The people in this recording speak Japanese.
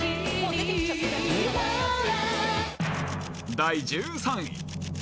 第１３位。